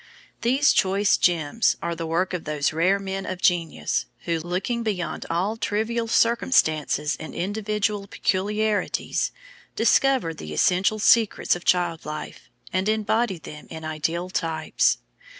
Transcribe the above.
These choice gems are the work of those rare men of genius who, looking beyond all trivial circumstances and individual peculiarities, discovered the essential secrets of child life, and embodied them in ideal types.